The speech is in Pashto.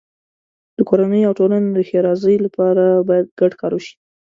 د کورنۍ او ټولنې د ښېرازۍ لپاره باید ګډ کار وشي.